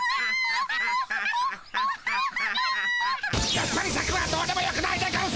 やっぱりシャクはどうでもよくないでゴンス！